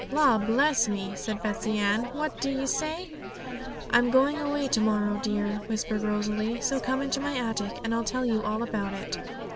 'La, bless me!' said Betsey Ann; 'what do you say?' 'I'm going away to morrow, dear!' whispered Rosalie; 'so come into my attic, and I'll tell you all about it.'